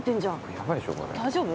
大丈夫？